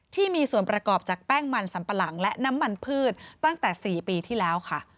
ที่มีส่วนประกอบจากแป้งมันสัมปะหลังและน้ำมันพืชตั้งแต่๔ปีที่แล้วค่ะ